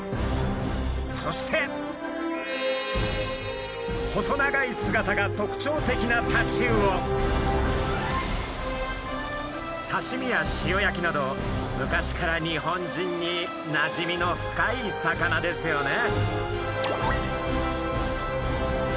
そして細長い姿が特徴的なさしみや塩焼きなど昔から日本人になじみの深い魚ですよね。